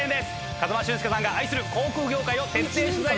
風間俊介さんが愛する航空業界を徹底取材しております。